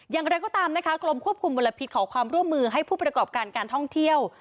อย่างไรก็ตามนะคะกรมควบคุมมลพิษขอความร่วมมือให้ผู้ประกอบการการท่องเที่ยว